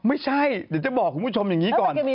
ไม่ใช่เดี๋ยวจะบอกคุณผู้ชมอย่างนี้ก่อน